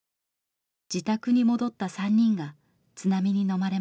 自宅に戻った３人が津波にのまれました。